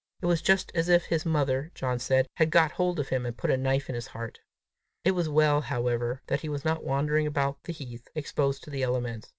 It was just as if his mother, John said, had got hold of him, and put a knife in his heart! It was well, however, that he was not wandering about the heath, exposed to the elements!